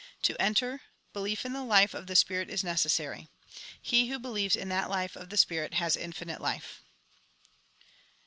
To enter, belief in the life of the Spirit is necessary. He who believes in that life of the Spirit, has infinite life."